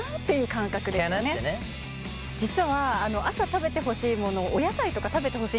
実は朝食べてほしいものお野菜とか食べてほしいんですね。